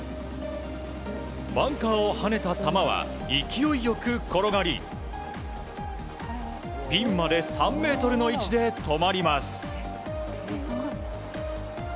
バンカーを跳ねた球は勢いよく転がりピンまで３ｍの位置で止まります。